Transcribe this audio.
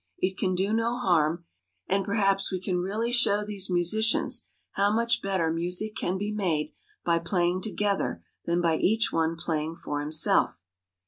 It can do no 86 THE PALACE MADE BY MUSIC harm, and perhaps we can really show these musicians how much better music can be made by playing together, than by each one playing for himself."